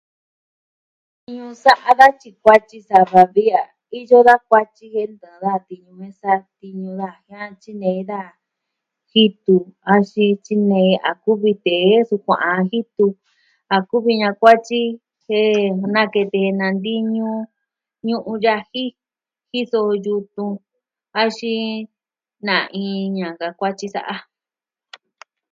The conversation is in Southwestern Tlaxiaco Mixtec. Ñuu sa'a daa tyi kuatyi sa va vi a iyo da kuatyi jen ntava tiñu mesa, tiñu jiaan tyinei daa jitu axin tyinei a kuvi tee sukua'an jitu. A kuvi ña'a kuatyi jen nakete nantiñu ñu'un yaji , jiso yutun axin naiin ña'an ka kuatyi sa'a.